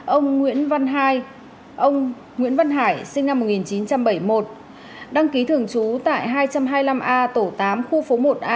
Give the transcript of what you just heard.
ông nguyễn văn hải sinh năm một nghìn chín trăm bảy mươi một đăng ký thường trú tại hai trăm hai mươi năm a tổ tám khu phố một a